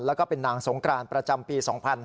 แล้วก็เป็นนางสงกรานประจำปี๒๕๕๙